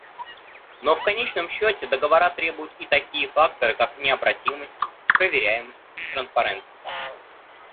Но в конечном счете договора требуют и такие факторы, как необратимость, проверяемость и транспарентность.